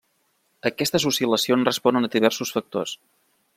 Aquestes oscil·lacions responen a diversos factors.